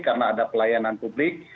karena ada pelayanan publik